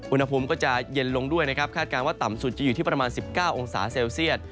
อุณหภูมิก็จะเย็นลงด้วยนะครับคาดการณ์ว่าต่ำสุดจะอยู่ที่ประมาณ๑๙องศาเซลเซียต